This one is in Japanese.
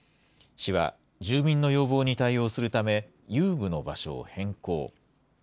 市は、住民の要望に対応するため遊具の場所を変更。